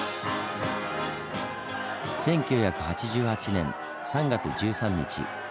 １９８８年３月１３日。